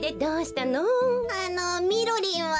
あのみろりんは？